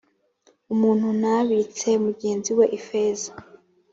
umuntu ntabitse mugenzi we ifeza.